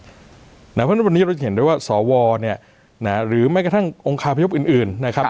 เพราะฉะนั้นวันนี้เราจะเห็นได้ว่าสวหรือแม้กระทั่งองคาพยพอื่นนะครับ